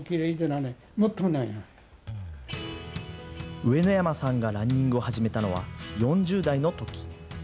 上野山さんがランニングを始めたのは４０代のとき。